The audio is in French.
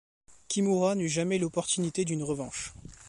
Kimura n'eut jamais l'opportunité d'une revanche.